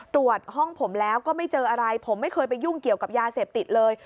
ตรวจห้องผมแล้วก็ไม่เจออะไรผมไม่เคยไปยุ่งเกี่ยวกับยาเสพติดเลย